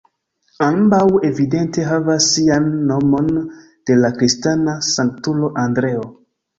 Ambaŭ evidente havas sian nomon de la kristana sanktulo Andreo.